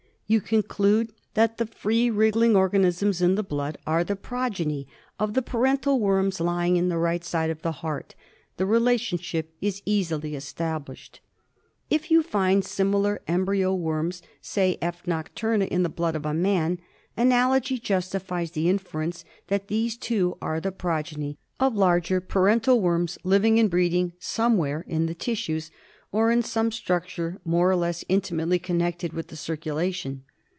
You conclude that the free wriggling organisms in the blood are the progeny of the parental worms lying in the right side of the heart. The relationship is easily established. If you find similar embryo worms, say F. nocturna, in the blood of a man, analogy justifies the inference that these, too, are the progeny of larger parental worms living and breeding somewhere in the tissues or in some struc ture more or less intimately connected with the circula tion.